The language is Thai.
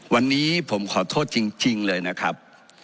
วันนี้ผมขอโทษจริงเลยนะครับ